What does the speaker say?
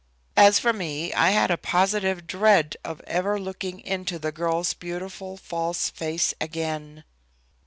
As for me, I had a positive dread of ever looking into the girl's beautiful false face again.